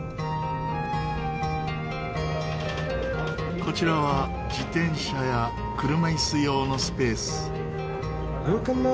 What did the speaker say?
こちらは自転車や車椅子用のスペース。